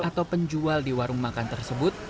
atau penjual di warung makan tersebut